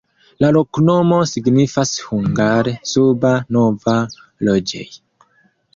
La loknomo signifas hungare: suba-nova-loĝej'.